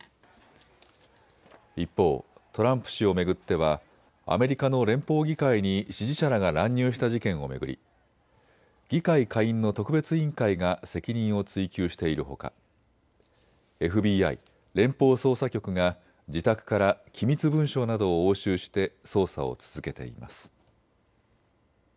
一方、トランプ氏を巡ってはアメリカの連邦議会に支持者らが乱入した事件を巡り議会下院の特別委員会が責任を追及しているほかＦＢＩ・連邦捜査局が自宅から機密文書などを押収して捜査を続けています。